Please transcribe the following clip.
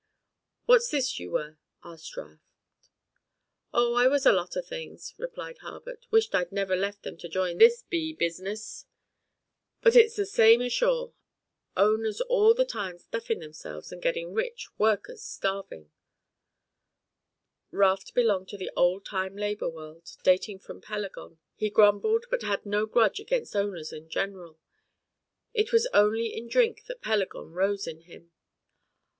"What's this you were?" asked Raft. "Oh, I was a lot o' things," replied Harbutt. "Wished I'd never left them to join this b y business, but it's the same ashore, owners all the time stuffin' themselves and gettin' rich, workers starvin'." Raft belonged to the old time labour world dating from Pelagon, he grumbled, but had no grudge against owners in general, it was only in drink that Pelagon rose in him.